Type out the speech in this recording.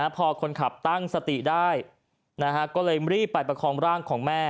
พอคนขับตั้งสติได้ก็เลยรีบไปประคองร่างของแม่